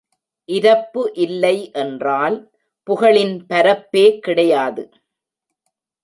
இரப்பு இல்லை என்றால் புகழின் பரப்பே கிடையாது.